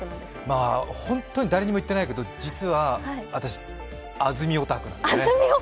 まあ、ホントに誰にも言ってないけど、実は私、安住オタクなのよ。